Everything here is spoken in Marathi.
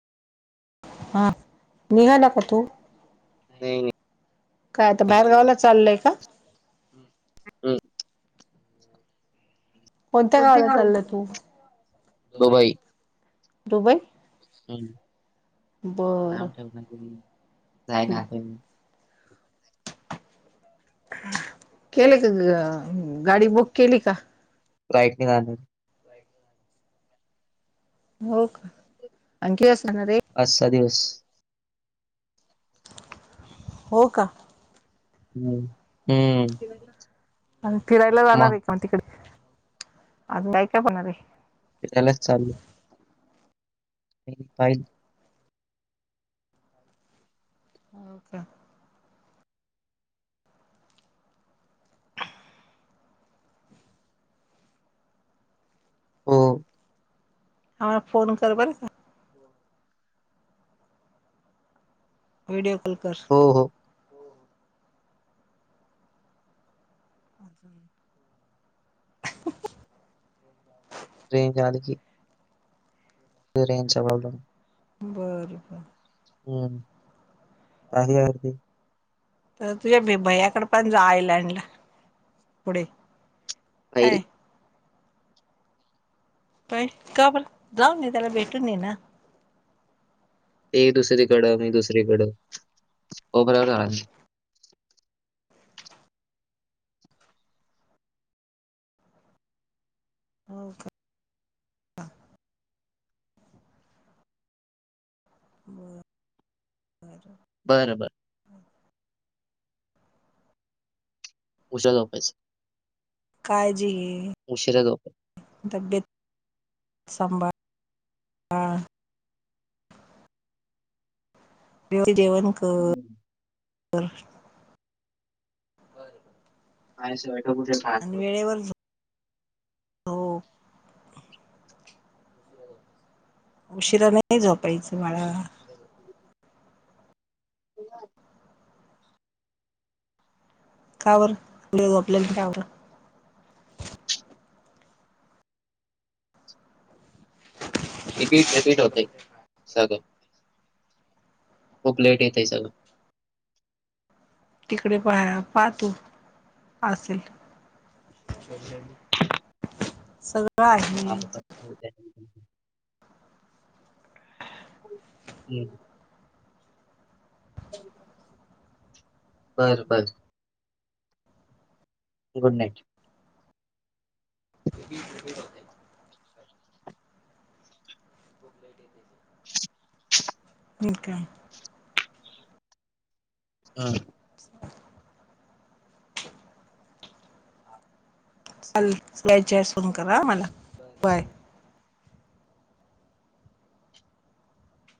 हा निघा नक तू? नाही नाही काय आता बाहेर गावाला चाललय का? हम कोणत्या गावाला चालला तू [unintelligible] दुबई दुबई बर [unintelligible] केले का गाडी बुक केली का? र [unintelligible] हो का आणखी अस असणार रे. अजचा दिवस. हो का? हम्म हम्म आणि फिरायला जाणार आहे का मग तिकडे अज काय काय पणार आहे. त्यालाच चाल नाही पाहि [unintelligible] हो आला फोन कर बर व्हिडिओ कॉल कर. हो हो ह [unintelligible] ट्रेन झाल की ट्रेन चा प्रॉब्लेम. बरं बर हम्म काती तर तुझ्या भी भयाकड पण जायलडला पुढे काय पाहिलं काही काबर जाऊ नाही त्याला भेटून ये ना एक दुसरीकडं मी दुसरीकडं बरावर रा हो का बर बर बरो बर उुशल ऑफिस काळजी घे उशिरा झोपायचं तब्येत संभळ हा जेवण कर हम्म. आहेठुठ [unintelligible] आणि वेळेवर झोप उशिरा नाही झपायचं बाळा. हो [unintelligible] कावरऊ आपल्याला कावर रिपीट रिपीट होतय सगळं खूप लेट येतय सगळं तिकडे पाहा पाहतू असेल. सगळ आ हम् बर बर गुड नाईट. ते [inaudible] [inaudible] ठीक आहे. हा [inaudible] चाल वचे फोन करा मला बाय.